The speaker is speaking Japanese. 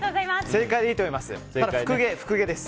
正解でいいと思います。